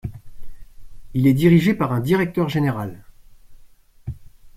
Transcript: Il est dirigé par un directeur général.